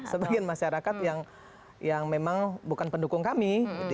sebagian masyarakat yang memang bukan pendukung kami